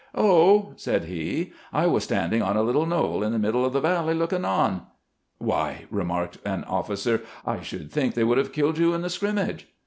Oh," said he, " I was standing on a little knoll in the middle of the valley, looking on." "Why," remarked an officer, "I should think they would have killed you in the scrimmage."